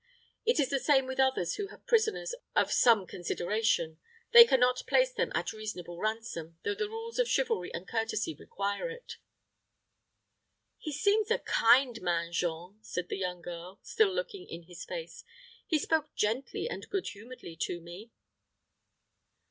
It is the same with others who have prisoners of some consideration. They can not place them at reasonable ransom, though the rules of chivalry and courtesy require it." "He seems a kind man, Jean," said the young girl, still looking in his face. "He spoke gently and good humoredly to me."